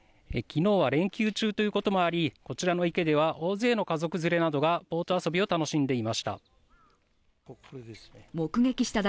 昨日は連休中ということもありこちらの池では、大勢の家族連れなどがボート遊びを楽しんでいました。